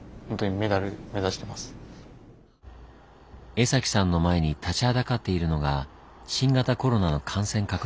江崎さんの前に立ちはだかっているのが新型コロナの感染拡大だ。